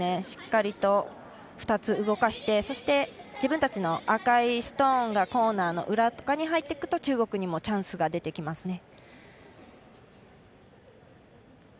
しっかりと２つ動かしてそして自分たちの赤いストーンがコーナーの裏側に入っていくと中国にもチャンスが出てきます。